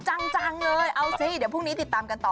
จังเลยเอาสิเดี๋ยวพรุ่งนี้ติดตามกันต่อ